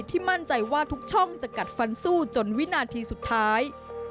มั่นใจว่าทุกช่องจะกัดฟันสู้จนวินาทีสุดท้าย